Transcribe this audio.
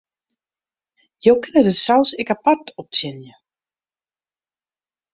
Jo kinne de saus ek apart optsjinje.